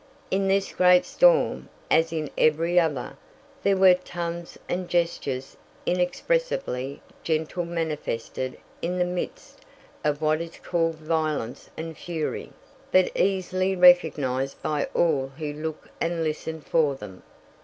In this great storm, as in every other, there were tones and gestures inexpressibly gentle manifested in the midst of what is called violence and fury, but easily recognized by all who look and listen for them.